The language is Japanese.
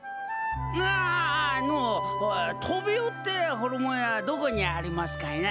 ああのうトビオってホルモン屋どこにありますかいな？